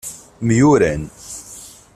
Myuran.